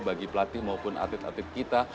bagi pelatih maupun atlet atlet kita